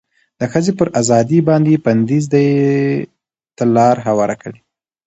د ښځې پر ازادې باندې بنديز دې ته لار هواره کړه